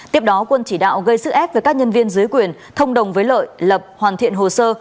tiếp đó quân chỉ đạo gây sức ép với các nhân viên dưới quyền thông đồng với lợi lập hoàn thiện hồ sơ